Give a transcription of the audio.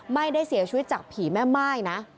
ไม่ได้เสียชีวิตจากผีแม่ม่ายนะ